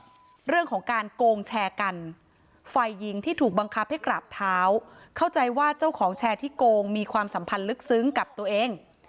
เรื่องของการโกงแชร์กันฝ่ายหญิงที่ถูกบังคับให้กราบเท้าเข้าใจว่าเจ้าของแชร์ที่โกงมีความสัมพันธ์ลึกซึ้งกับตัวเอง